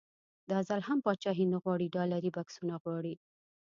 دا ځل هم پاچاهي نه غواړي ډالري بکسونه غواړي.